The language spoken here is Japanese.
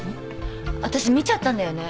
私見ちゃったんだよね。